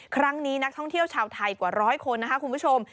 ครั้งนี้นักท่องเที่ยวชาวไทยกว่าร้อยคนนะคะคุณผู้ชม